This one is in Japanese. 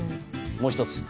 もう１つ。